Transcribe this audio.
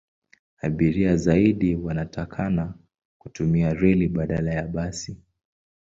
Abiria zaidi wanataka kutumia reli badala ya basi.